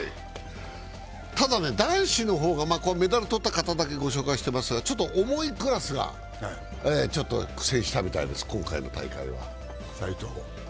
ただね、男子の方がメダル取った方だけご紹介してますが、ちょっと重いクラスが苦戦したみたいです、今回の大会は。